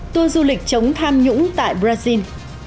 tua du lịch chống tham nhũng tại brazil